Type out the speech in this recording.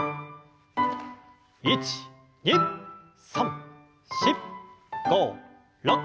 １２３４５６。